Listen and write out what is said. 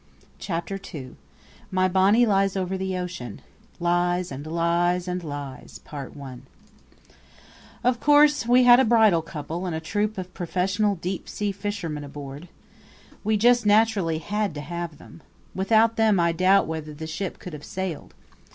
Chapter II My Bonny Lies over the Ocean Lies and Lies and Lies Of course, we had a bridal couple and a troupe of professional deep sea fishermen aboard. We just naturally had to have them. Without them, I doubt whether the ship could have sailed.